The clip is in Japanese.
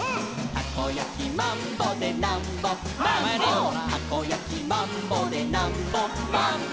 「たこやきマンボでなんぼチューチュー」「たこやきマンボでなんぼマンボ」